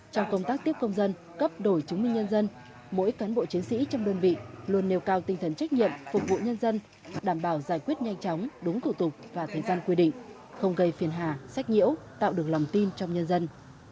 trong công tác tiếp công dân cấp đổi chứng minh nhân dân mỗi cán bộ chiến sĩ trong đơn vị luôn nêu cao tinh thần trách nhiệm phục vụ nhân dân đảm bảo giải quyết nhanh chóng đúng thủ tục và thời gian quy định không gây phiền hà sách nhiễu tạo được lòng tin trong nhân dân